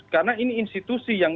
karena ini institusi yang